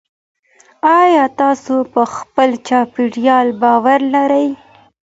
آيا تاسو په خپل چاپېريال باور لرئ؟